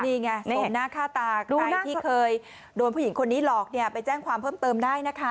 นี่ไงเห็นหน้าค่าตาใครที่เคยโดนผู้หญิงคนนี้หลอกเนี่ยไปแจ้งความเพิ่มเติมได้นะคะ